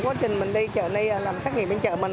vì quá trình mình đi chợ này làm xét nghiệm bên chợ mình